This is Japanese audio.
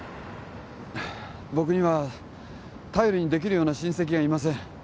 僕には頼りにできるような親戚がいません